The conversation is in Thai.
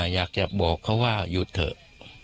อยากจะบอกเขาว่าหยุดเถอะ